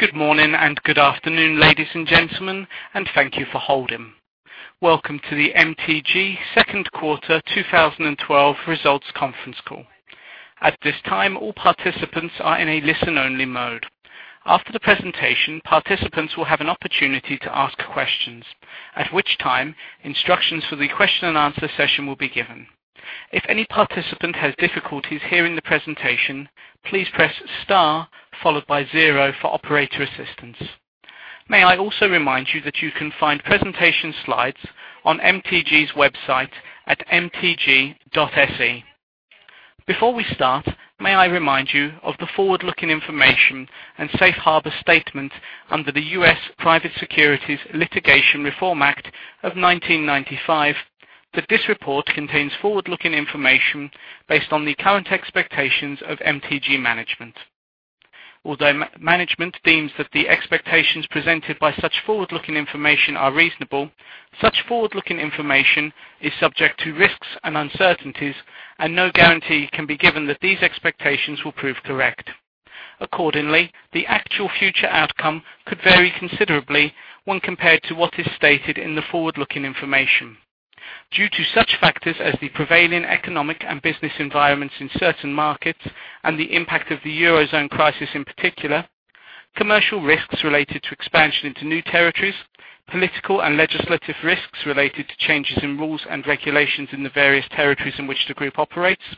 Good morning and good afternoon, ladies and gentlemen, and thank you for holding. Welcome to the MTG second quarter 2012 results conference call. At this time, all participants are in a listen-only mode. After the presentation, participants will have an opportunity to ask questions, at which time instructions for the question and answer session will be given. If any participant has difficulties hearing the presentation, please press star followed by zero for operator assistance. May I also remind you that you can find presentation slides on MTG's website at mtg.se. Before we start, may I remind you of the forward-looking information and safe harbor statement under the U.S. Private Securities Litigation Reform Act of 1995, that this report contains forward-looking information based on the current expectations of MTG management. Although management deems that the expectations presented by such forward-looking information are reasonable, such forward-looking information is subject to risks and uncertainties, and no guarantee can be given that these expectations will prove correct. Accordingly, the actual future outcome could vary considerably when compared to what is stated in the forward-looking information. Due to such factors as the prevailing economic and business environments in certain markets and the impact of the Eurozone crisis in particular, commercial risks related to expansion into new territories, political and legislative risks related to changes in rules and regulations in the various territories in which the group operates,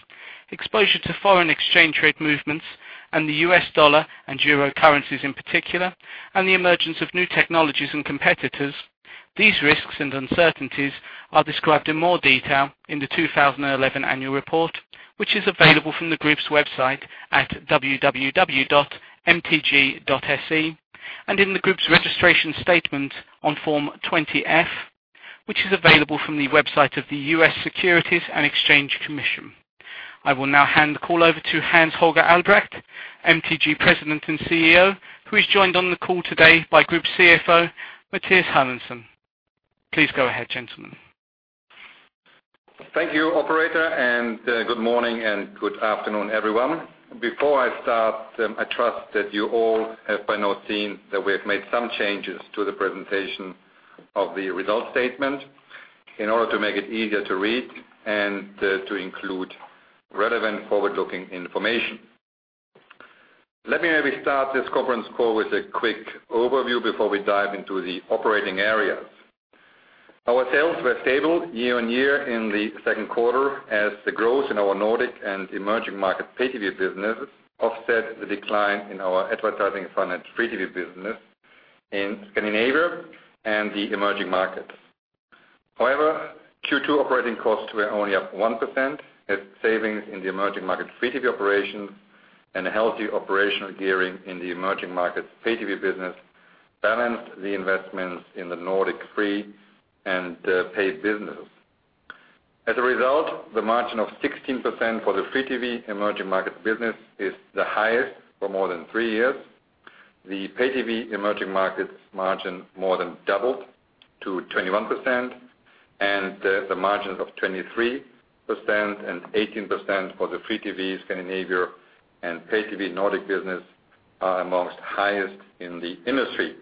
exposure to foreign exchange trade movements, and the U.S. dollar and euro currencies in particular, and the emergence of new technologies and competitors. These risks and uncertainties are described in more detail in the 2011 annual report, which is available from the group's website at www.mtg.se, and in the group's registration statement on Form 20-F, which is available from the website of the U.S. Securities and Exchange Commission. I will now hand the call over to Hans-Holger Albrecht, MTG President and CEO, who is joined on the call today by Group CFO, Mathias Henningson. Please go ahead, gentlemen. Thank you, operator, and good morning and good afternoon, everyone. Before I start, I trust that you all have by now seen that we have made some changes to the presentation of the result statement in order to make it easier to read and to include relevant forward-looking information. Let me maybe start this conference call with a quick overview before we dive into the operating areas. Our sales were stable year-on-year in the second quarter as the growth in our Nordic and Emerging Market Pay-TV businesses offset the decline in our advertising-financed Free-TV business in Scandinavia and the emerging markets. However, Q2 operating costs were only up 1% as savings in the emerging market Free-TV operations and a healthy operational gearing in the emerging markets Pay-TV business balanced the investments in the Nordic free and paid businesses. As a result, the margin of 16% for the Free-TV Emerging Markets business is the highest for more than three years. The Pay-TV Emerging Markets margin more than doubled to 21%, and the margins of 23% and 18% for the Free-TV Scandinavia and Pay-TV Nordic business are amongst the highest in the industry.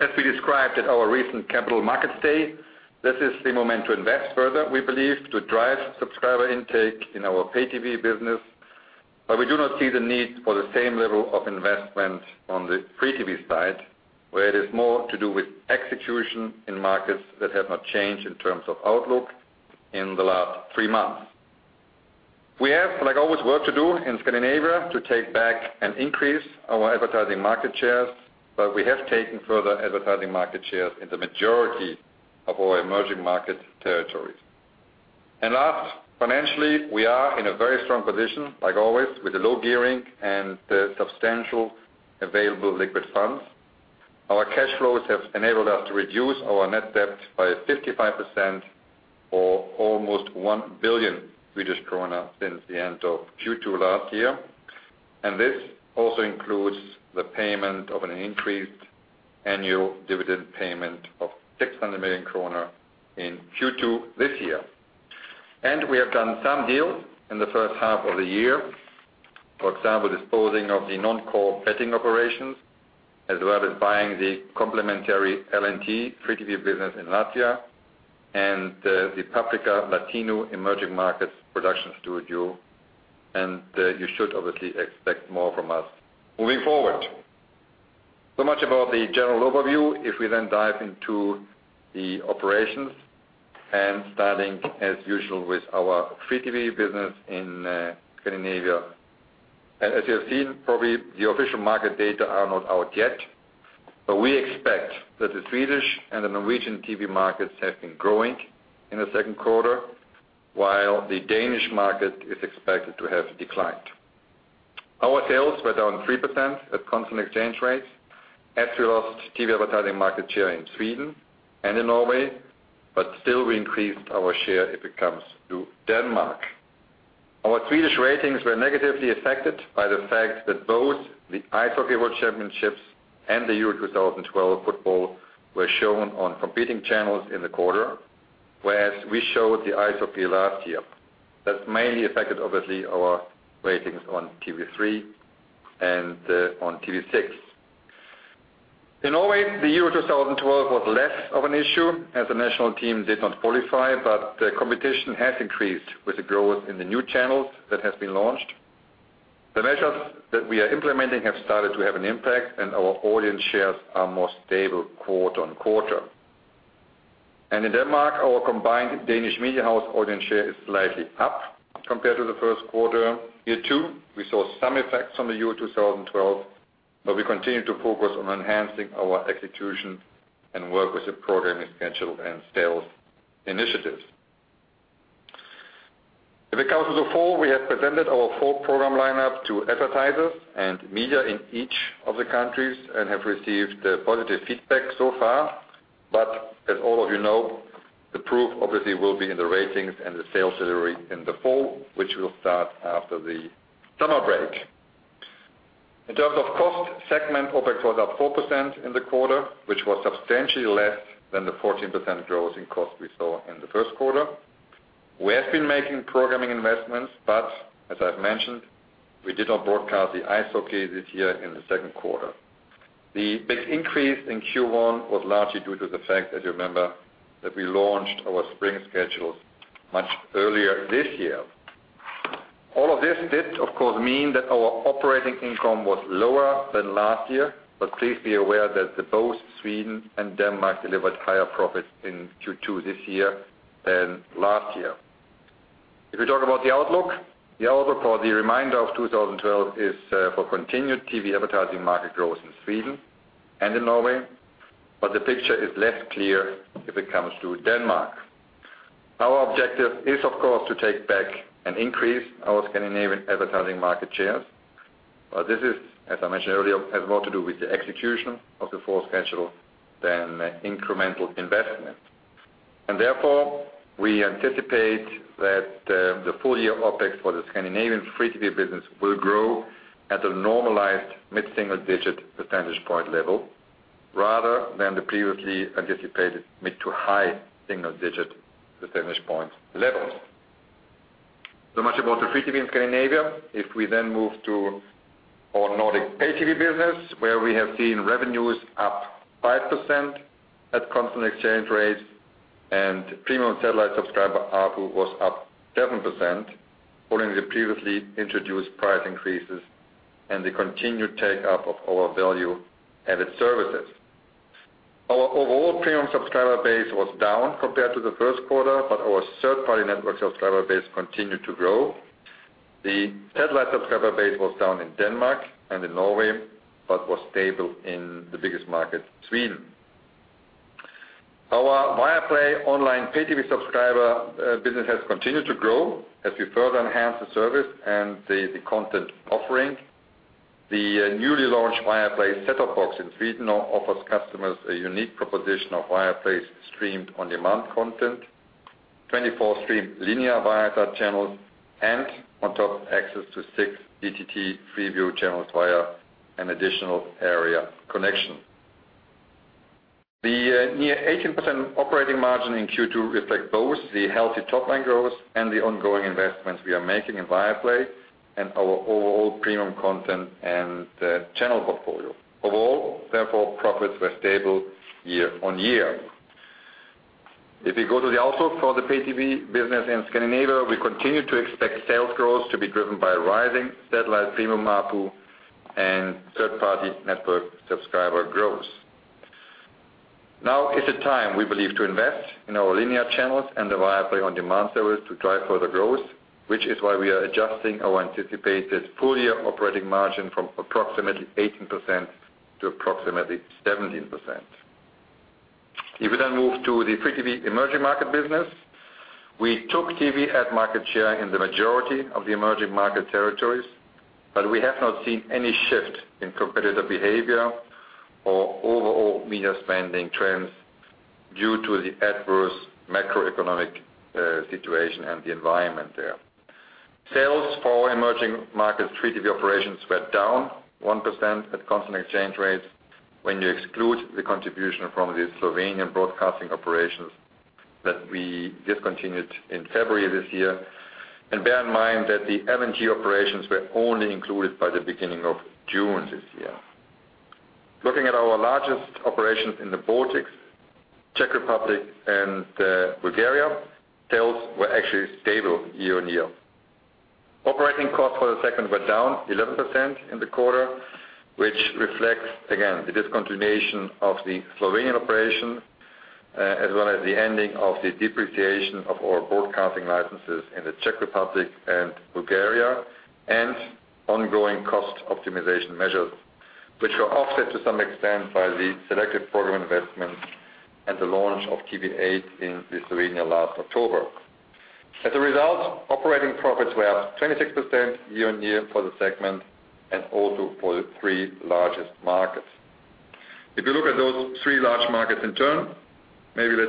As we described at our recent Capital Markets Day, this is the moment to invest further, we believe, to drive subscriber intake in our Pay-TV business. We do not see the need for the same level of investment on the Free-TV side, where it is more to do with execution in markets that have not changed in terms of outlook in the last three months. We have, like always, work to do in Scandinavia to take back and increase our advertising market shares. We have taken further advertising market shares in the majority of our emerging market territories. Last, financially, we are in a very strong position, like always, with low gearing and substantial available liquid funds. Our cash flows have enabled us to reduce our net debt by 55%, or almost 1 billion Swedish krona since the end of Q2 last year. This also includes the payment of an increased annual dividend payment of 600 million kronor in Q2 this year. We have done some deals in the first half of the year. For example, disposing of the non-core betting operations, as well as buying the complimentary LNT Free-TV business in Latvia and the Paprika Latino emerging markets production studio. You should obviously expect more from us moving forward. Much about the general overview. If we then dive into the operations and starting as usual with our Free-TV business in Scandinavia. As you have seen, probably the official market data are not out yet. We expect that the Swedish and the Norwegian TV markets have been growing in the second quarter, while the Danish market is expected to have declined. Our sales were down 3% at constant exchange rates as we lost TV advertising market share in Sweden and in Norway. Still, we increased our share if it comes to Denmark. Our Swedish ratings were negatively affected by the fact that both the Ice Hockey World Championships and the Euro 2012 football were shown on competing channels in the quarter. Whereas we showed the Ice Hockey last year. That's mainly affected, obviously, our ratings on TV3 and on TV6. In Norway, the Euro 2012 was less of an issue as the national team did not qualify. The competition has increased with the growth in the new channels that has been launched. The measures that we are implementing have started to have an impact, and our audience shares are more stable quarter-on-quarter. In Denmark, our combined Danish Media House audience share is slightly up compared to the first quarter. Here too, we saw some effects from the Euro 2012. We continue to focus on enhancing our execution and work with the programming schedule and sales initiatives. In the course of the fall, we have presented our full program lineup to advertisers and media in each of the countries and have received positive feedback so far. As all of you know, the proof obviously will be in the ratings and the sales delivery in the fall, which will start after the summer break. In terms of cost, segment OpEx was up 4% in the quarter, which was substantially less than the 14% growth in cost we saw in the first quarter. We have been making programming investments, but as I've mentioned, we did not broadcast the Ice Hockey this year in the second quarter. The big increase in Q1 was largely due to the fact that you remember, that we launched our spring schedules much earlier this year. This did, of course, mean that our operating income was lower than last year, but please be aware that both Sweden and Denmark delivered higher profits in Q2 this year than last year. We talk about the outlook, the outlook for the remainder of 2012 is for continued TV advertising market growth in Sweden and in Norway, but the picture is less clear if it comes to Denmark. Our objective is, of course, to take back and increase our Scandinavian advertising market shares. This, as I mentioned earlier, has more to do with the execution of the fall schedule than incremental investment. Therefore, we anticipate that the full-year OpEx for the Scandinavian free TV business will grow at a normalized mid-single-digit percentage point level rather than the previously anticipated mid-to-high single-digit percentage point levels. Much about the free TV in Scandinavia. We then move to our Nordic Pay-TV business, where we have seen revenues up 5% at constant exchange rates and premium satellite subscriber ARPU was up 7%, following the previously introduced price increases and the continued take-up of our value-added services. Our overall premium subscriber base was down compared to the first quarter, but our third-party network subscriber base continued to grow. The satellite subscriber base was down in Denmark and in Norway, but was stable in the biggest market, Sweden. Our Viaplay online Pay-TV subscriber business has continued to grow as we further enhance the service and the content offering. The newly launched Viaplay set-top box in Sweden now offers customers a unique proposition of Viaplay's streamed on-demand content, 24 streamed linear Viasat channels, and on top, access to six DTT free view channels via an additional aerial connection. The near 18% operating margin in Q2 reflects both the healthy top-line growth and the ongoing investments we are making in Viaplay and our overall premium content and channel portfolio. Therefore, profits were stable year on year. We go to the outlook for the Pay-TV business in Scandinavia, we continue to expect sales growth to be driven by rising satellite premium ARPU and third-party network subscriber growth. Now is the time, we believe, to invest in our linear channels and the Viaplay on-demand service to drive further growth, which is why we are adjusting our anticipated full-year operating margin from approximately 18% to approximately 17%. We took TV ad market share in the majority of the emerging market territories, but we have not seen any shift in competitive behavior or overall media spending trends due to the adverse macroeconomic situation and the environment there. Sales for emerging markets free TV operations were down 1% at constant exchange rates when you exclude the contribution from the Slovenian broadcasting operations that we discontinued in February this year, and bear in mind that the MTG operations were only included by the beginning of June this year. Looking at our largest operations in the Baltics, Czech Republic, and Bulgaria, sales were actually stable year-on-year. Operating costs for the second quarter were down 11% in the quarter, which reflects, again, the discontinuation of the Slovenian operation, as well as the ending of the depreciation of our broadcasting licenses in the Czech Republic and Bulgaria, and ongoing cost optimization measures, which were offset to some extent by the selected program investments and the launch of TV8 in Slovenia last October. Operating profits were up 26% year-on-year for the segment and also for the three largest markets. Let's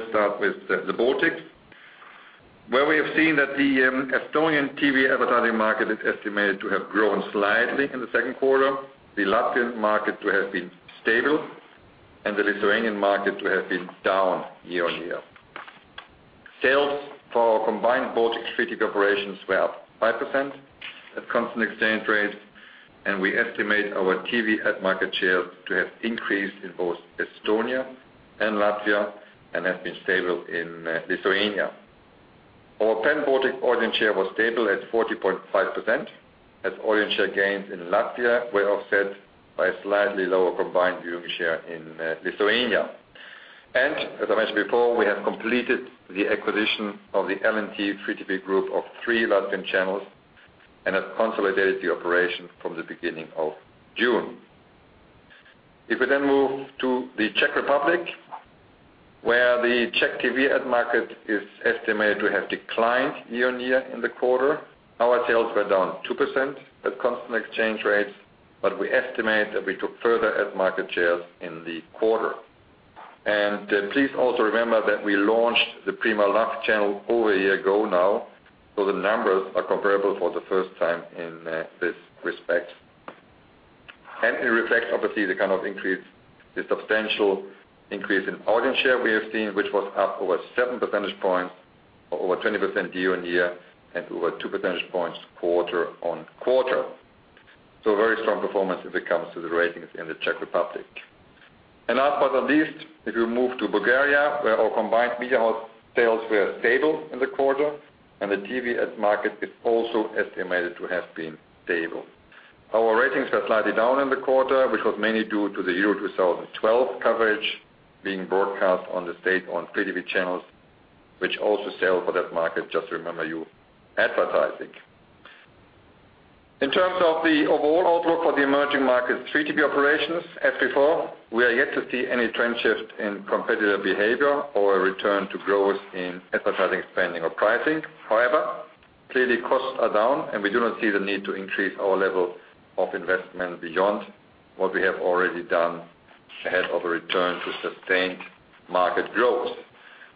start with the Baltics, where we have seen that the Estonian TV advertising market is estimated to have grown slightly in the second quarter, the Latvian market to have been stable, and the Lithuanian market to have been down year-on-year. Sales for our combined Baltics free TV operations were up 5% at constant exchange rates, and we estimate our TV ad market share to have increased in both Estonia and Latvia and has been stable in Lithuania. Our pan-Baltic audience share was stable at 40.5%, as audience share gains in Latvia were offset by a slightly lower combined viewing share in Lithuania. As I mentioned before, we have completed the acquisition of the LNT free-to-view group of three Latvian channels and have consolidated the operation from the beginning of June. Move to the Czech Republic, where the Czech TV ad market is estimated to have declined year-on-year in the quarter, our sales were down 2% at constant exchange rates, but we estimate that we took further ad market shares in the quarter. Please also remember that we launched the Prima Love channel over a year ago now, so the numbers are comparable for the first time in this respect. It reflects, obviously, the substantial increase in audience share we have seen, which was up over seven percentage points or over 20% year-on-year and over two percentage points quarter-on-quarter. Very strong performance as it comes to the ratings in the Czech Republic. Last but not least, move to Bulgaria, where our combined Media House sales were stable in the quarter, and the TV ad market is also estimated to have been stable. Our ratings were slightly down in the quarter, which was mainly due to the Euro 2012 coverage being broadcast on the state-owned free TV channels, which also sell for that market, just to remember you, advertising. In terms of the overall outlook for the emerging markets free TV operations, as before, we are yet to see any trend shift in competitive behavior or a return to growth in advertising spending or pricing. However, clearly costs are down, and we do not see the need to increase our level of investment beyond what we have already done ahead of a return to sustained market growth.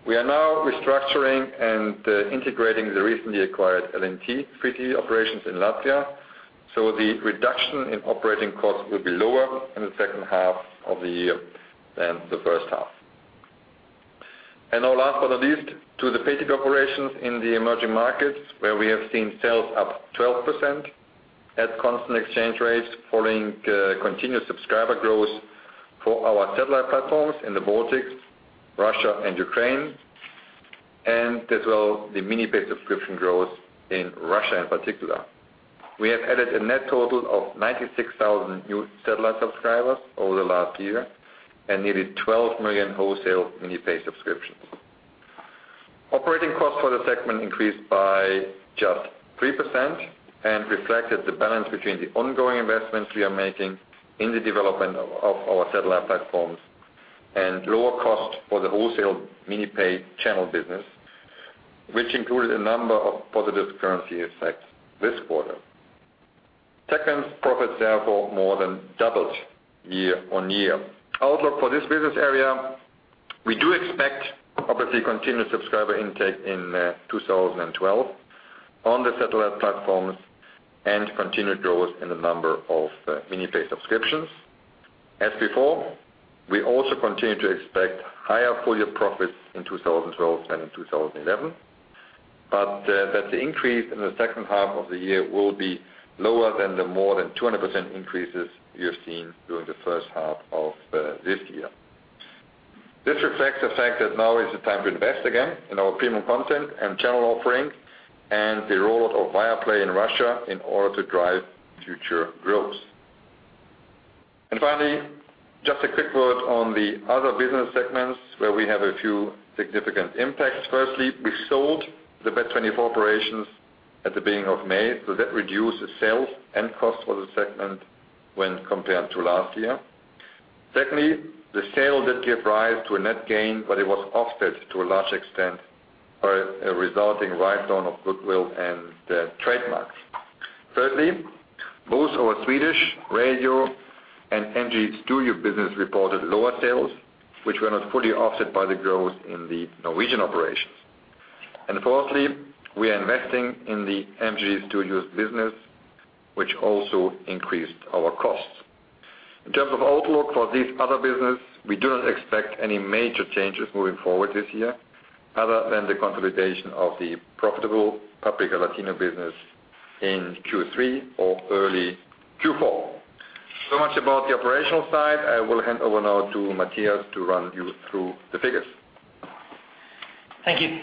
We are now restructuring and integrating the recently acquired LNT free TV operations in Latvia, so the reduction in operating costs will be lower in the second half of the year than the first half. Now last but not least, to the pay TV operations in the emerging markets, where we have seen sales up 12% at constant exchange rates following continuous subscriber growth for our satellite platforms in the Baltics, Russia, and Ukraine, as well the mini-pay subscription growth in Russia in particular. We have added a net total of 96,000 new satellite subscribers over the last year and nearly 12 million wholesale mini-pay subscriptions. Operating costs for the segment increased by just 3% and reflected the balance between the ongoing investments we are making in the development of our satellite platforms and lower cost for the wholesale mini-pay channel business, which included a number of positive currency effects this quarter. Segments profits therefore more than doubled year-on-year. Outlook for this business area, we do expect, obviously, continued subscriber intake in 2012 on the satellite platforms and continued growth in the number of mini-pay subscriptions. As before, we also continue to expect higher full-year profits in 2012 than in 2011, but that the increase in the second half of the year will be lower than the more than 200% increases you have seen during the first half of this year. This reflects the fact that now is the time to invest again in our premium content and channel offerings and the roll-out of Viaplay in Russia in order to drive future growth. Finally, just a quick word on the other business segments where we have a few significant impacts. Firstly, we sold the Bet24 operations at the beginning of May, so that reduced the sales and cost for the segment when compared to last year. Secondly, the sale did give rise to a net gain, but it was offset to a large extent by a resulting write-down of goodwill and trademarks. Thirdly, both our Swedish radio and MTG Studios business reported lower sales, which were not fully offset by the growth in the Norwegian operations. Fourthly, we are investing in the MTG Studios business, which also increased our costs. In terms of outlook for this other business, we do not expect any major changes moving forward this year other than the consolidation of the profitable Paprika Latino business in Q3 or early Q4. Much about the operational side. I will hand over now to Mathias to run you through the figures. Thank you.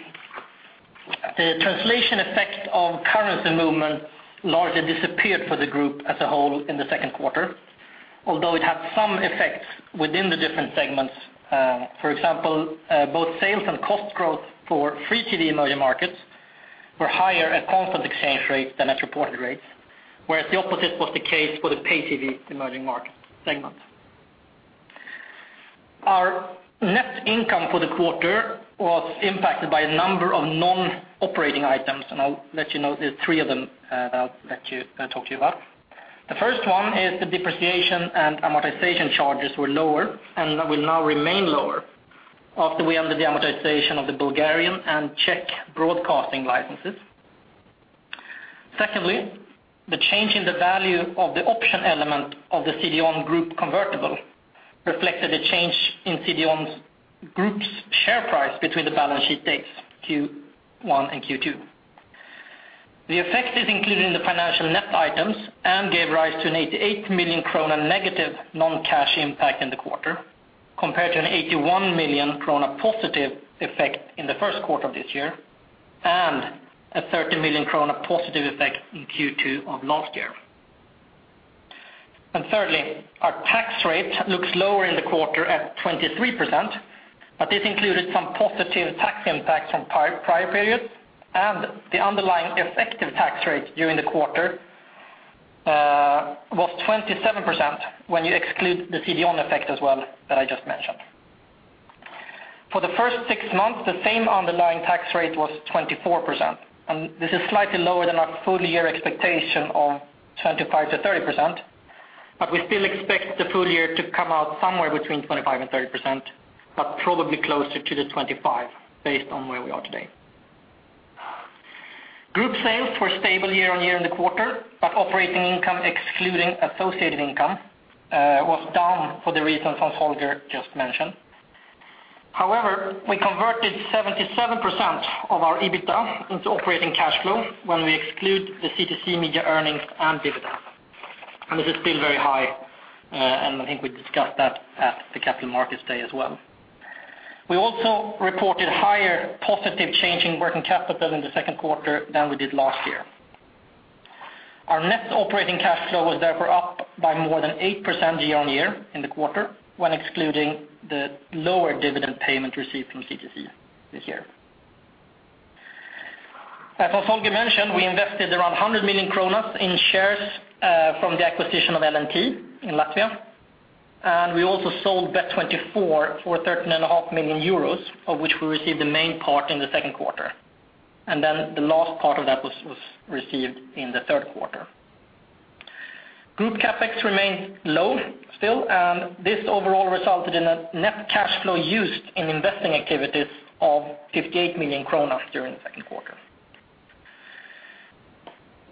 The translation effect of currency movement largely disappeared for the group as a whole in the second quarter, although it had some effects within the different segments. For example, both sales and cost growth for free TV emerging markets were higher at constant exchange rates than at reported rates, whereas the opposite was the case for the pay TV emerging market segment. Our net income for the quarter was impacted by a number of non-operating items. I'll let you know there are three of them that I'll talk to you about. The first one is the depreciation and amortization charges were lower and will now remain lower after we ended the amortization of the Bulgarian and Czech broadcasting licenses. Secondly, the change in the value of the option element of the CION group convertible reflected a change in CION's group's share price between the balance sheet dates Q1 and Q2. The effect is included in the financial net items gave rise to a 88 million krona negative non-cash impact in the quarter, compared to a 81 million krona positive effect in the first quarter of this year, a 30 million krona positive effect in Q2 of last year. Thirdly, our tax rate looks lower in the quarter at 23%, but this included some positive tax impact from prior periods, the underlying effective tax rate during the quarter was 27% when you exclude the CION effect as well, that I just mentioned. For the first six months, the same underlying tax rate was 24%, this is slightly lower than our full-year expectation of 25%-30%, we still expect the full year to come out somewhere between 25% and 30%, probably closer to the 25% based on where we are today. Group sales were stable year-on-year in the quarter, operating income excluding associated income was down for the reasons Hans-Holger just mentioned. However, we converted 77% of our EBITDA into operating cash flow when we exclude the CTC Media earnings and dividends. This is still very high, I think we discussed that at the Capital Markets Day as well. We also reported higher positive change in working capital in the second quarter than we did last year. Our net operating cash flow was therefore up by more than 8% year-on-year in the quarter when excluding the lower dividend payment received from CTC this year. As Hans-Holger mentioned, we invested around 100 million kronor in shares from the acquisition of LNT in Latvia, we also sold Bet24 for 13.5 million euros, of which we received the main part in the second quarter. Then the last part of that was received in the third quarter. Group CapEx remains low still, this overall resulted in a net cash flow used in investing activities of 58 million kronor during the second quarter.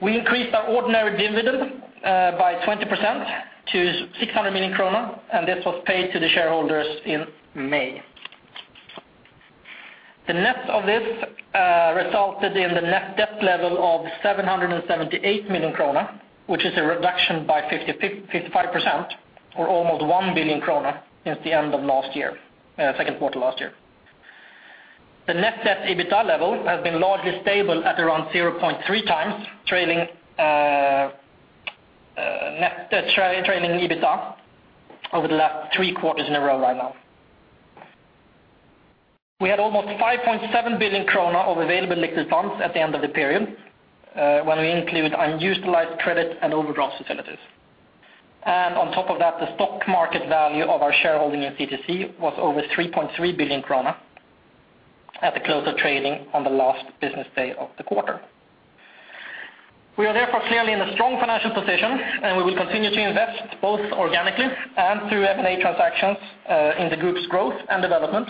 We increased our ordinary dividend by 20% to 600 million krona, this was paid to the shareholders in May. The net of this resulted in the net debt level of 778 million krona, which is a reduction by 55%, or almost 1 billion krona since the second quarter of last year. The net debt EBITDA level has been largely stable at around 0.3 times trailing EBITDA over the last three quarters in a row right now. We had almost 5.7 billion krona of available liquid funds at the end of the period, when we include unutilized credit and overdraft facilities. On top of that, the stock market value of our shareholding in CTC was over 3.3 billion krona at the close of trading on the last business day of the quarter. We are therefore clearly in a strong financial position, and we will continue to invest both organically and through M&A transactions in the group's growth and development,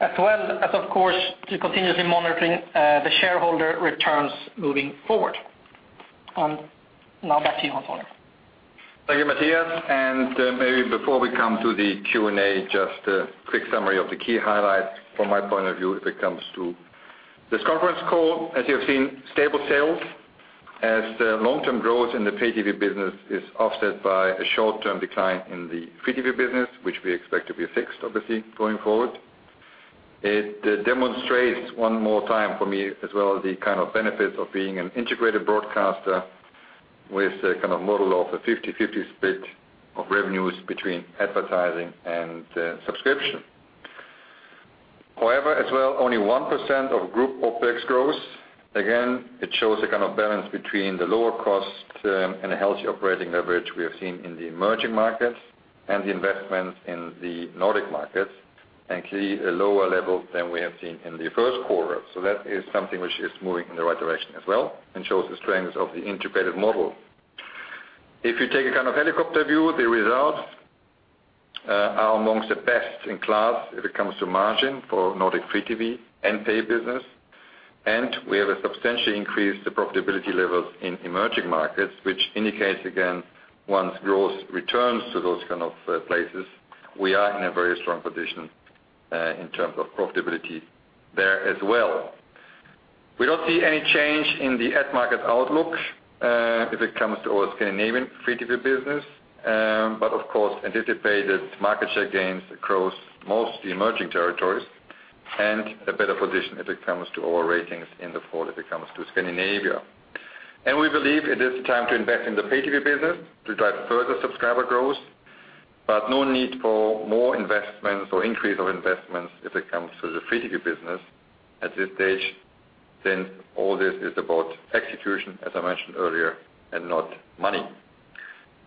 as well as, of course, to continuously monitoring the shareholder returns moving forward. Now back to you, Hans-Holger. Thank you, Mathias. Maybe before we come to the Q&A, just a quick summary of the key highlights from my point of view as it comes to this conference call. As you have seen, stable sales as the long-term growth in the pay TV business is offset by a short-term decline in the free TV business, which we expect to be fixed, obviously, going forward. It demonstrates one more time for me as well, the kind of benefits of being an integrated broadcaster with a model of a 50-50 split of revenues between advertising and subscription. However, as well, only 1% of group OpEx growth. Again, it shows a kind of balance between the lower cost term and a healthy operating leverage we have seen in the emerging markets and the investments in the Nordic markets, and clearly a lower level than we have seen in the first quarter. That is something which is moving in the right direction as well and shows the strengths of the integrated model. If you take a kind of helicopter view, the results are amongst the best in class if it comes to margin for Nordic free TV and pay business. We have substantially increased the profitability levels in emerging markets, which indicates again, once growth returns to those kind of places, we are in a very strong position in terms of profitability there as well. We don't see any change in the ad market outlook if it comes to our Scandinavian Free-TV business. Of course, anticipated market share gains across most of the emerging territories and a better position if it comes to our ratings in the fall, if it comes to Scandinavia. We believe it is time to invest in the pay TV business to drive further subscriber growth, no need for more investments or increase of investments if it comes to the Free-TV business at this stage. Since all this is about execution, as I mentioned earlier, and not money.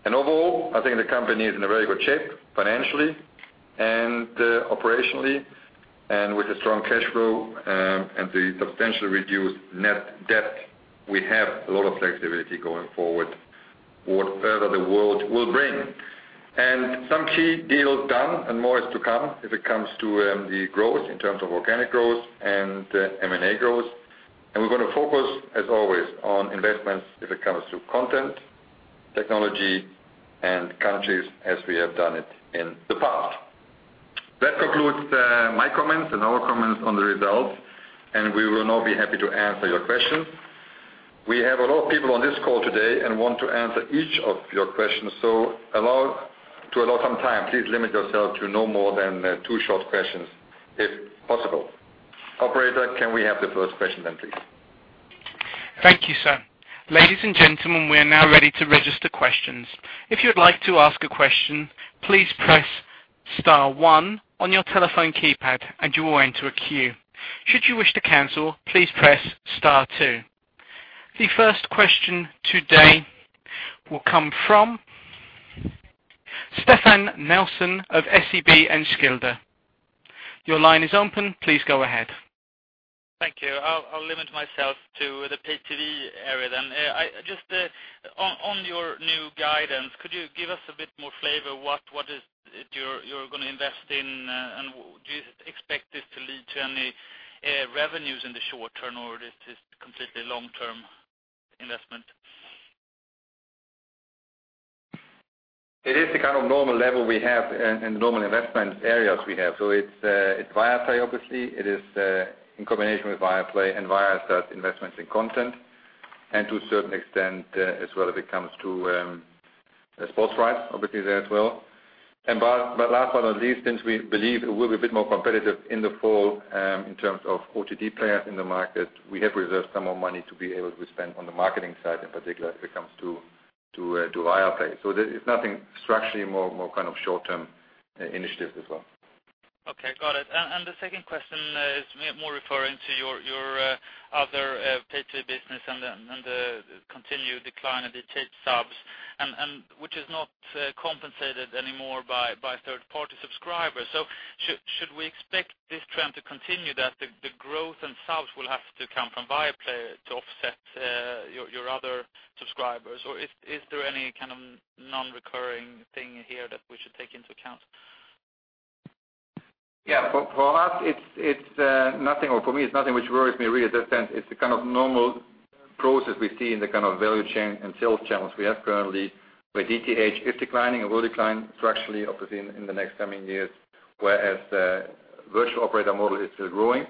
Overall, I think the company is in a very good shape financially and operationally, and with a strong cash flow and the substantially reduced net debt, we have a lot of flexibility going forward, whatever the world will bring. Some key deals done and more is to come as it comes to the growth in terms of organic growth and M&A growth. We're going to focus, as always, on investments if it comes to content, technology, and countries as we have done it in the past. That concludes my comments and our comments on the results. We will now be happy to answer your questions. We have a lot of people on this call today and want to answer each of your questions, so to allow some time, please limit yourself to no more than two short questions if possible. Operator, can we have the first question then, please? Thank you, sir. Ladies and gentlemen, we are now ready to register questions. If you would like to ask a question, please press star one on your telephone keypad and you will enter a queue. Should you wish to cancel, please press star two. The first question today will come from Stefan Nilsson of SEB Enskilda. Your line is open. Please go ahead. Thank you. I'll limit myself to the pay TV area then. Just on your new guidance, could you give us a bit more flavor what you're going to invest in, and do you expect this to lead to any revenues in the short term, or is this completely long-term investment? It is the kind of normal level we have and the normal investment areas we have. It's Viaplay, obviously. It is in combination with Viaplay and Viasat investments in content, and to a certain extent as well as it comes to sports rights, obviously there as well. Last but not least, since we believe it will be a bit more competitive in the fall in terms of OTT players in the market, we have reserved some more money to be able to spend on the marketing side in particular as it comes to Viaplay. It's nothing structurally more short-term initiative as well. Okay, got it. The second question is more referring to your other pay-to-business and the continued decline of DTH subs, which is not compensated anymore by third-party subscribers. Should we expect this trend to continue, that the growth in subs will have to come from Viaplay to offset your other subscribers? Is there any non-recurring thing here that we should take into account? Yeah. For us, it's nothing, or for me, it's nothing which worries me really in that sense. It's the normal process we see in the value chain and sales channels we have currently, where DTH is declining and will decline structurally, obviously, in the next coming years, whereas the virtual operator model is still growing,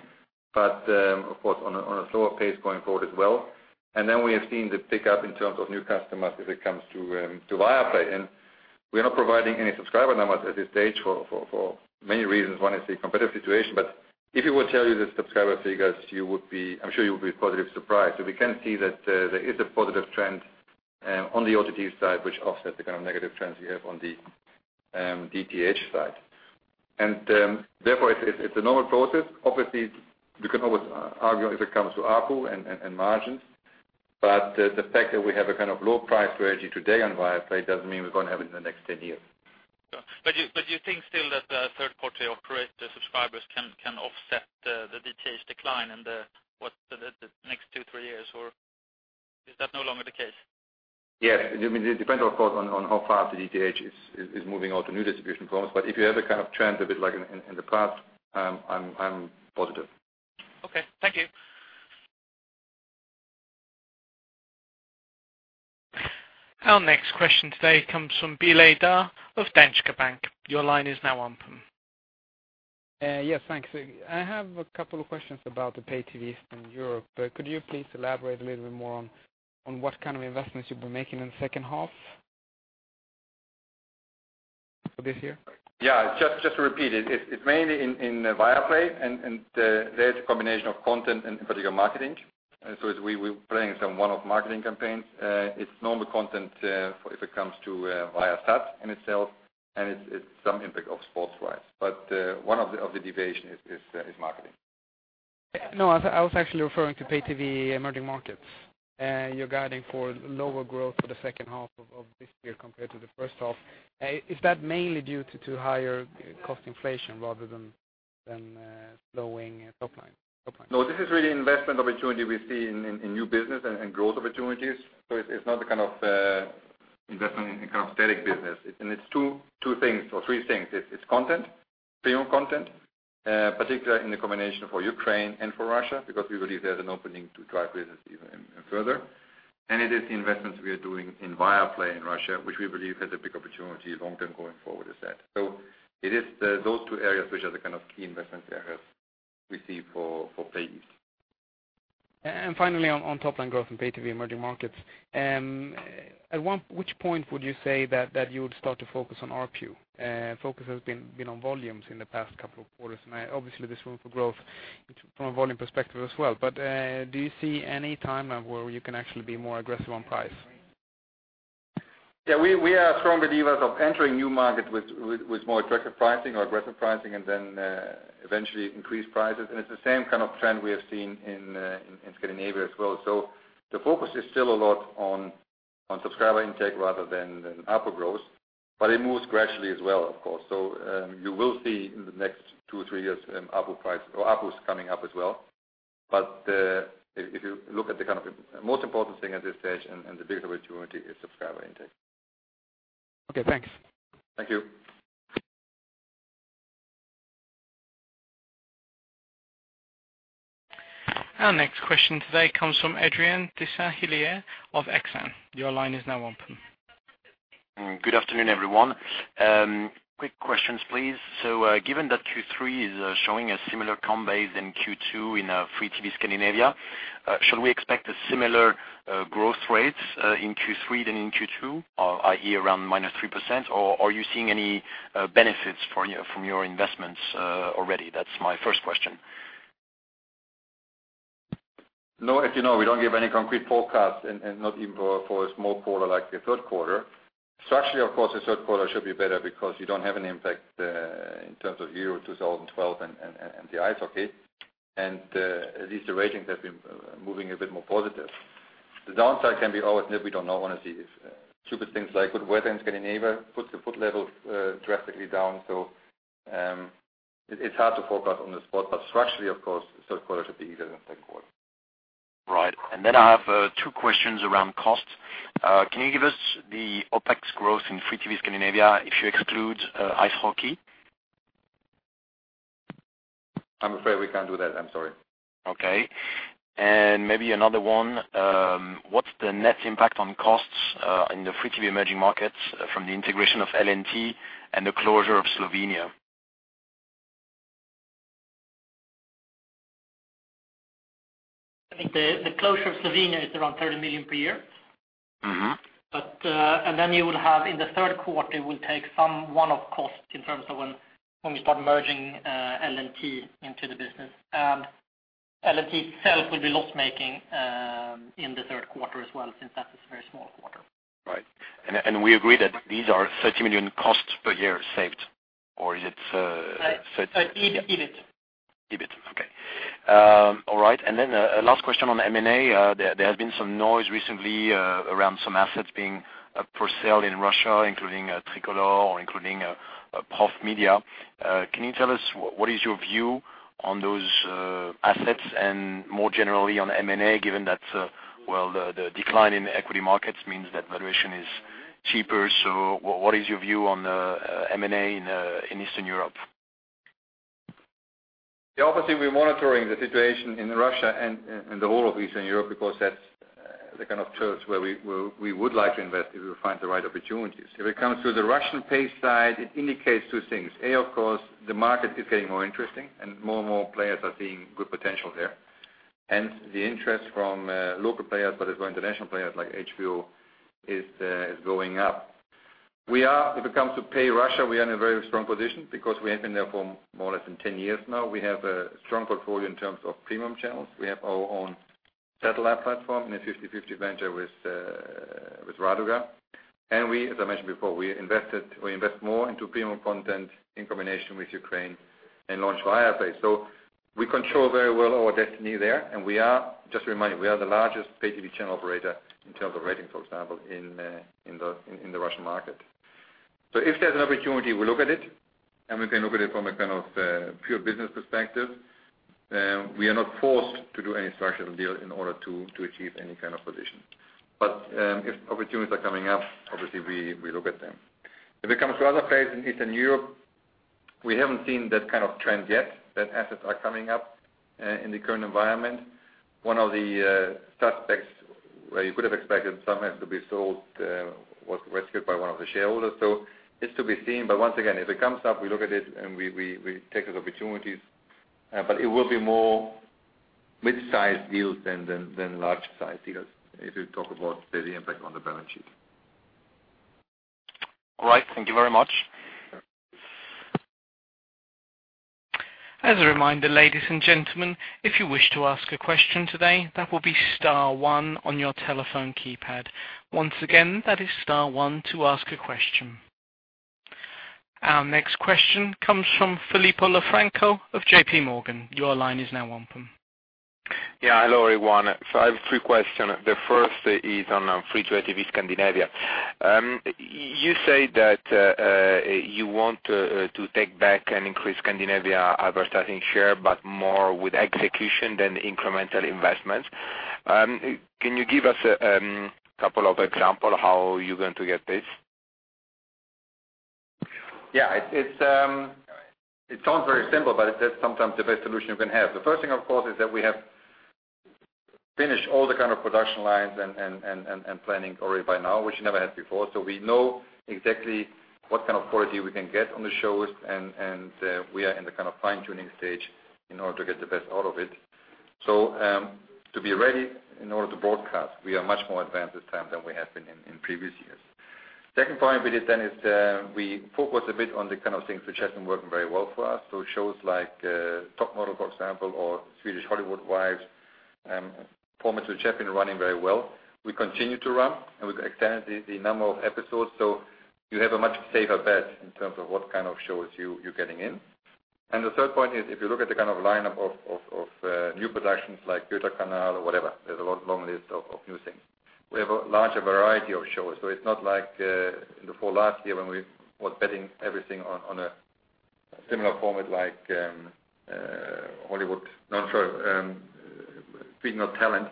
but of course, on a slower pace going forward as well. Then we have seen the pickup in terms of new customers as it comes to Viaplay. We are not providing any subscriber numbers at this stage for many reasons. One is the competitive situation. If we would tell you the subscriber figures, I'm sure you will be positive surprised. We can see that there is a positive trend on the OTT side which offsets the negative trends we have on the DTH side. Therefore, it's a normal process. Obviously, we can always argue if it comes to ARPU and margins, the fact that we have a low price strategy today on Viaplay doesn't mean we're going to have it in the next 10 years. You think still that the third-party operator subscribers can offset the DTH decline in the next two, three years, or is that no longer the case? Yeah. It depends, of course, on how fast the DTH is moving on to new distribution forms. If you have a trend a bit like in the past, I'm positive. Okay. Thank you. Our next question today comes from Bilel Da of Danske Bank. Your line is now open. Yes, thanks. I have a couple of questions about the pay TV in Europe. Could you please elaborate a little bit more on what kind of investments you'll be making in the second half of this year? Yeah. Just to repeat it's mainly in Viaplay, and there it's a combination of content and particular marketing. As we were planning some one-off marketing campaigns. It's normal content if it comes to Viasat in itself, and it's some impact of sports rights. One of the deviations is marketing. No, I was actually referring to pay TV emerging markets. You're guiding for lower growth for the second half of this year compared to the first half. Is that mainly due to higher cost inflation rather than slowing top line? No, this is really investment opportunity we see in new business and growth opportunities. It's not the investment in static business. It's two things or three things. It's content, premium content, particularly in the combination for Ukraine and for Russia, because we believe there's an opening to drive business even further. It is the investments we are doing in Viaplay in Russia, which we believe has a big opportunity long term going forward as said. It is those two areas which are the key investment areas we see for pay TV. Finally, on top line growth in pay TV emerging markets. At which point would you say that you would start to focus on ARPU? Focus has been on volumes in the past couple of quarters, and obviously there's room for growth from a volume perspective as well. Do you see any time where you can actually be more aggressive on price? Yeah, we are strong believers of entering new markets with more aggressive pricing, then eventually increase prices. It's the same trend we have seen in Scandinavia as well. The focus is still a lot on subscriber intake rather than ARPU growth. It moves gradually as well, of course. You will see in the next two or three years ARPU price or ARPUs coming up as well. If you look at the most important thing at this stage and the bigger opportunity, is subscriber intake. Okay, thanks. Thank you. Our next question today comes from Adrien de Saint Hilaire of Exane. Your line is now open. Good afternoon, everyone. Quick questions, please. Given that Q3 is showing a similar comp base in Q2 in freeTV Scandinavia, should we expect similar growth rates in Q3 than in Q2, i.e., around minus 3%? Are you seeing any benefits from your investments already? That's my first question. As you know, we don't give any concrete forecasts and not even for a small quarter like the third quarter. Structurally, of course, the third quarter should be better because you don't have an impact in terms of Euro 2012 and the Ice Hockey, and at least the ratings have been moving a bit more positive. The downside can be, always that we don't know, when I see stupid things like good weather in Scandinavia, puts the foot levels drastically down. It's hard to forecast on the spot, but structurally, of course, the third quarter should be easier than the second quarter. Right. Then I have two questions around costs. Can you give us the OpEx growth in freeTV Scandinavia if you exclude Ice Hockey? I'm afraid we can't do that. I'm sorry. Okay. Maybe another one. What's the net impact on costs in the free TV emerging markets from the integration of LNT and the closure of Slovenia? I think the closure of Slovenia is around 30 million per year. Then you will have in the third quarter, it will take some one-off costs in terms of when we start merging LNT into the business. LNT itself will be loss-making in the third quarter as well, since that is a very small quarter. Right. We agree that these are 30 million costs per year saved, or is it? EBIT. EBIT, okay. All right. Last question on M&A. There has been some noise recently around some assets being for sale in Russia, including Tricolor or including ProfMedia. Can you tell us what is your view on those assets and more generally on M&A, given that, well, the decline in equity markets means that valuation is cheaper. What is your view on M&A in Eastern Europe? Obviously, we're monitoring the situation in Russia and the whole of Eastern Europe because that's the kind of territory where we would like to invest if we find the right opportunities. If it comes to the Russian pay side, it indicates two things. A, of course, the market is getting more interesting, and more and more players are seeing good potential there. Hence, the interest from local players, but as well international players like HBO is going up. If it comes to pay Russia, we are in a very strong position because we have been there for more or less than 10 years now. We have a strong portfolio in terms of premium channels. We have our own satellite platform in a 50-50 venture with Raduga. We, as I mentioned before, we invest more into premium content in combination with Ukraine and launch Viaplay. We control very well our destiny there, and we are, just a reminder, we are the largest pay TV channel operator in terms of ratings, for example, in the Russian market. If there's an opportunity, we look at it, and we can look at it from a pure business perspective. We are not forced to do any structural deal in order to achieve any kind of position. If opportunities are coming up, obviously, we look at them. If it comes to other plays in Eastern Europe, we haven't seen that kind of trend yet, that assets are coming up in the current environment. One of the suspects where you could have expected some assets to be sold was rescued by one of the shareholders. It's to be seen. Once again, if it comes up, we look at it and we take those opportunities, it will be more mid-sized deals than large-sized deals if you talk about the impact on the balance sheet. All right. Thank you very much. As a reminder, ladies and gentlemen, if you wish to ask a question today, that will be star one on your telephone keypad. Once again, that is star one to ask a question. Our next question comes from Filippo Lo Franco of JPMorgan. Your line is now open. Yeah. Hello, everyone. I have three questions. The first is on free-to-air TV Scandinavia. You say that you want to take back and increase Scandinavia advertising share, more with execution than incremental investments. Can you give us a couple of examples how you're going to get this? It sounds very simple, but it is sometimes the best solution you can have. The first thing, of course, is that we have finished all the production lines and planning already by now, which we never had before. We know exactly what kind of quality we can get on the shows, and we are in the fine-tuning stage in order to get the best out of it. To be ready in order to broadcast, we are much more advanced this time than we have been in previous years. Second point with it is we focus a bit on the kind of things which has been working very well for us. Shows like "Top Model," for example, or "Swedish Hollywood Wives," formats which have been running very well, we continue to run, and we extended the number of episodes. You have a much safer bet in terms of what kind of shows you're getting in. The third point is, if you look at the lineup of new productions like "Göta kanal" or whatever, there's a long list of new things. We have a larger variety of shows, so it's not like in the fall last year when we were betting everything on a similar format like Hollywood non-show, "Queen of Talent,"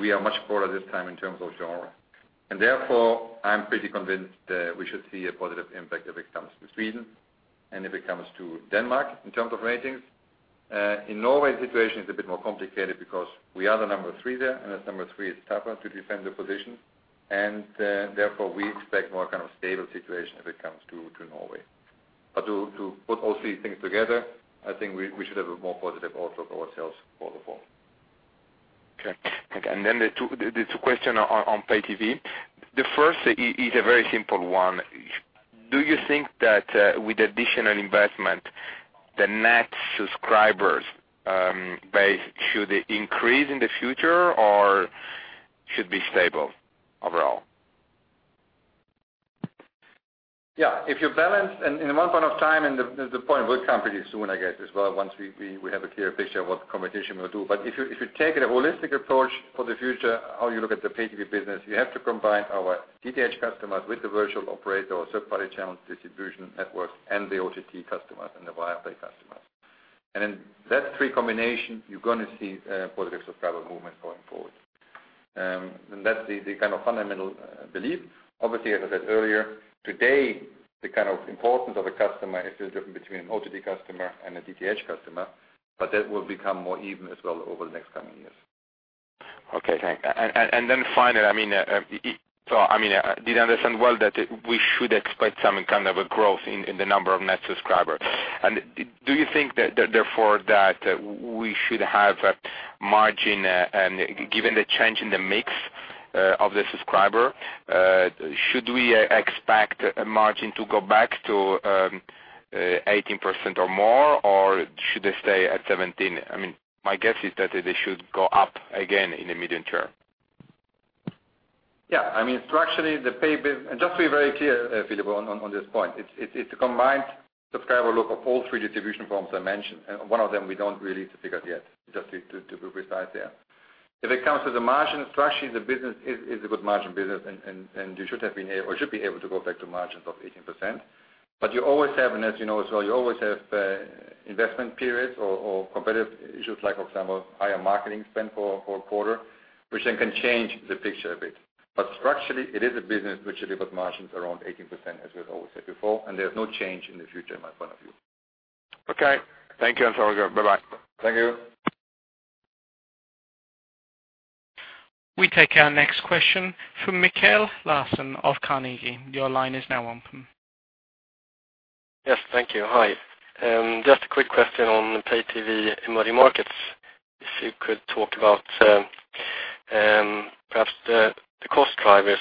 we are much broader this time in terms of genre. Therefore, I'm pretty convinced that we should see a positive impact if it comes to Sweden and if it comes to Denmark in terms of ratings. In Norway, the situation is a bit more complicated because we are the number 3 there, and as number 3, it's tougher to defend the position and, therefore, we expect more stable situation if it comes to Norway. To put all three things together, I think we should have a more positive outlook for ourselves for the fall. The two question on pay TV. The first is a very simple one. Do you think that with additional investment, the net subscribers base should increase in the future or should be stable overall? Yeah. If you balance, in one point in time, the point will come pretty soon, I guess, as well, once we have a clear picture of what the competition will do. If you take a holistic approach for the future, how you look at the pay TV business, you have to combine our DTH customers with the virtual operator or third-party channel distribution networks and the OTT customers and the Viasat customers. In that three combination, you're going to see a positive subscriber movement going forward. That's the fundamental belief. Obviously, as I said earlier, today, the importance of a customer is still different between an OTT customer and a DTH customer, but that will become more even as well over the next coming years. Okay, thanks. I did understand well that we should expect some kind of a growth in the number of net subscribers. Do you think that, therefore, that we should have a margin, given the change in the mix of the subscriber, should we expect margin to go back to 18% or more, or should they stay at 17%? My guess is that they should go up again in the medium term. Yeah. Just to be very clear, Filippo, on this point, it's a combined subscriber look of all three distribution forms I mentioned. One of them we don't really have the figures yet, just to be precise there. If it comes to the margin, structurally, the business is a good margin business and we should be able to go back to margins of 18%. You always have, as you know as well, you always have investment periods or competitive issues like, for example, higher marketing spend for a quarter, which then can change the picture a bit. Structurally, it is a business which delivers margins around 18%, as we have always said before, there's no change in the future in my point of view. Okay. Thank you, Hans-Holger. Bye-bye. Thank you. We take our next question from Mikael Larsson of Carnegie. Your line is now open. Yes. Thank you. Hi. Just a quick question on pay TV emerging markets. If you could talk about perhaps the cost drivers,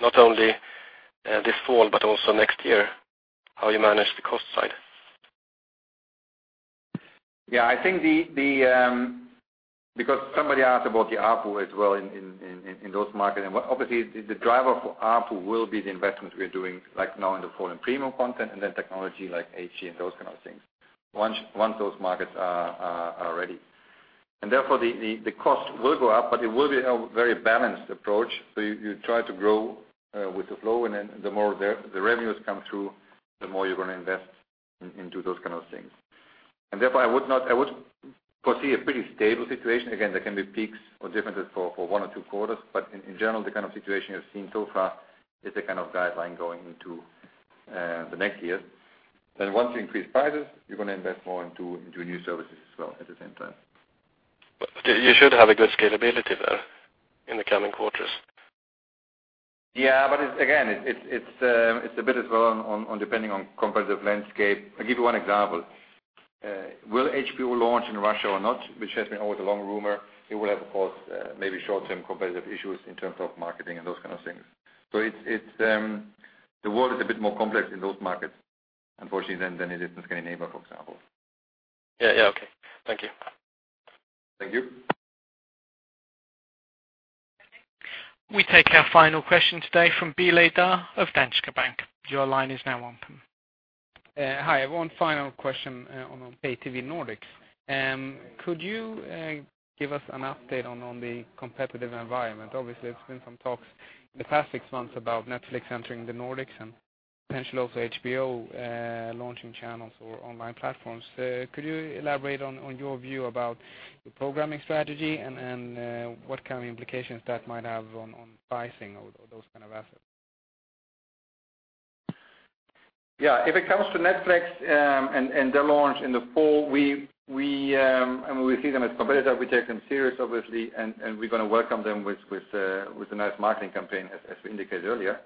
not only this fall but also next year, how you manage the cost side. Yes, I think because somebody asked about the ARPU as well in those markets. Obviously, the driver for ARPU will be the investments we're doing, like now in the fall in premium content and then technology like HD and those kinds of things, once those markets are ready. Therefore, the cost will go up, but it will be a very balanced approach. You try to grow with the flow, and then the more the revenues come through, the more you're going to invest into those kinds of things. Therefore, I would foresee a pretty stable situation. Again, there can be peaks or differences for one or two quarters, but in general, the kind of situation you've seen so far is the guideline going into the next year. Once you increase prices, you're going to invest more into new services as well at the same time. You should have a good scalability there in the coming quarters. Yeah, again, it's a bit as well on depending on competitive landscape. I'll give you one example. Will HBO launch in Russia or not, which has been always a long rumor? It will have, of course, maybe short-term competitive issues in terms of marketing and those kinds of things. The world is a bit more complex in those markets, unfortunately, than it is in Scandinavia, for example. Yeah, okay. Thank you. Thank you. We take our final question today from Bilel Da of Danske Bank. Your line is now open. Hi. One final question on pay TV Nordics. Could you give us an update on the competitive environment? Obviously, there's been some talks the past six months about Netflix entering the Nordics and potentially also HBO launching channels or online platforms. Could you elaborate on your view about the programming strategy and what kind of implications that might have on pricing of those kind of assets? Yeah. If it comes to Netflix and their launch in the fall, we see them as competitor, we take them serious, obviously, and we're gonna welcome them with a nice marketing campaign, as we indicated earlier.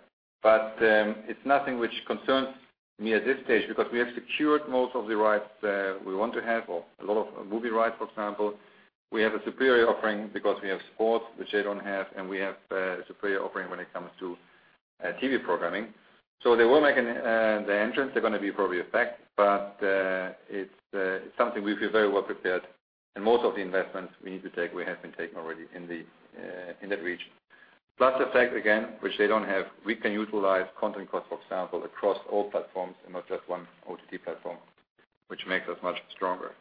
It's nothing which concerns me at this stage because we have secured most of the rights that we want to have, or a lot of movie rights, for example. We have a superior offering because we have sports, which they don't have, and we have a superior offering when it comes to TV programming. They will make their entrance. They're gonna be probably a fact, but it's something we feel very well prepared, and most of the investments we need to take, we have been taking already in that region. Plus the fact, again, which they don't have, we can utilize content cost, for example, across all platforms and not just one OTT platform, which makes us much stronger.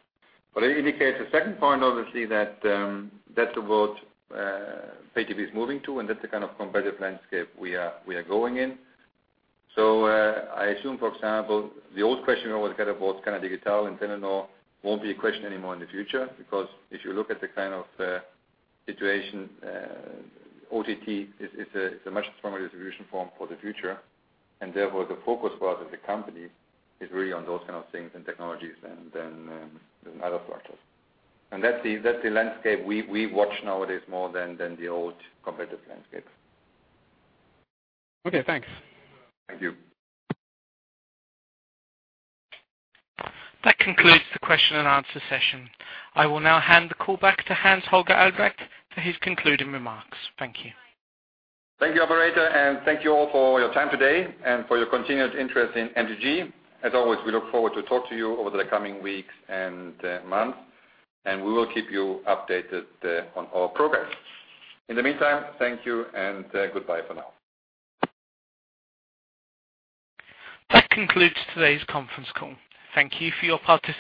It indicates a second point, obviously, that that's the world pay TV is moving to, and that's the competitive landscape we are going in. I assume, for example, the old question about Canal Digital and Telenor won't be a question anymore in the future because if you look at the situation, OTT is a much stronger distribution form for the future, and therefore, the focus for us as a company is really on those kinds of things and technologies than other structures. That's the landscape we watch nowadays more than the old competitive landscapes. Okay, thanks. Thank you. That concludes the question and answer session. I will now hand the call back to Hans-Holger Albrecht for his concluding remarks. Thank you. Thank you, operator, and thank you all for your time today and for your continued interest in MTG. As always, we look forward to talk to you over the coming weeks and months, and we will keep you updated on our progress. In the meantime, thank you and goodbye for now. That concludes today's conference call. Thank you for your participation.